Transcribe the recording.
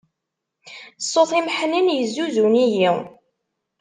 Ṣṣut-im ḥnin, yezzuzun-iyi.